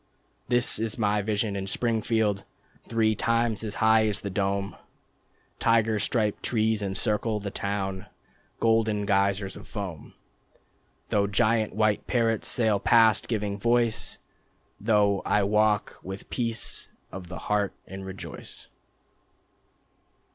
This is my vision in Springfield: Three times as high as the dome, Tiger striped trees encircle the town, Golden geysers of foam; Though giant white parrots sail past, giving voice, Though I walk with Peace of the Heart and rejoice.